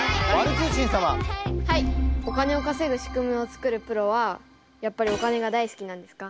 お金を稼ぐ仕組みを作るプロはやっぱりお金が大好きなんですか？